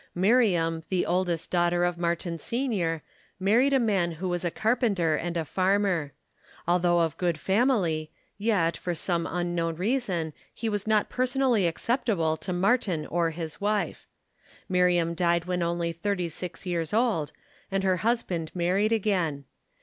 Miriam, the oldest daughter of Martin Sr., married a man who was a carpenter and a farmer. Although of good family, yet, for some unknown reason, he was not personally acceptable to Martin or his wife. Miriam died when only thirty six years old, and her husband married again.